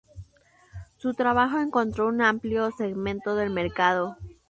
Su trabajo encontró un amplio segmento del mercado.